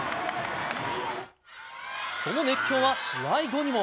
その熱狂は試合後にも。